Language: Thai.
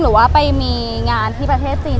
หรือว่าไปมีงานที่ประเทศจีน